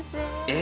え？